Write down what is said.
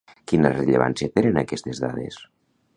Quina rellevància tenen aquestes dades?